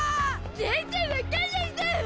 全然分かんないゾ！